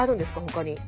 ほかに。